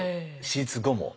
手術後も。